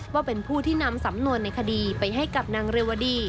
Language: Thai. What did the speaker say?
ว่าเป็นผู้ที่นำสำนวนในคดีไปให้กับนางเรวดี